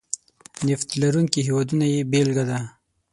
نفت لرونکي هېوادونه یې بېلګه ده.